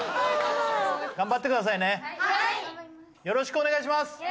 よろしくお願いします。